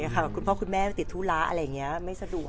คุณพ่อคุณแม่ไปติดธุระอะไรอย่างนี้ไม่สะดวก